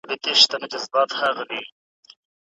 لویه جرګه کله د سختو سیاسي ستونزو او کړکیچونو سره مخ کیږي؟